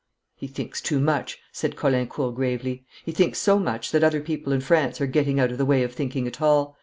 'He thinks too much,' said Caulaincourt, gravely. 'He thinks so much that other people in France are getting out of the way of thinking at all.